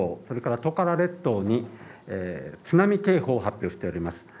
それからトカラ列島に津波警報を発表しております。